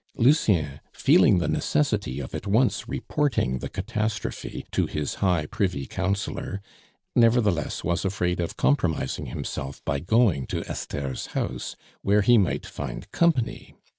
Lucien, feeling the necessity of at once reporting the catastrophe to his high privy councillor, nevertheless was afraid of compromising himself by going to Esther's house, where he might find company.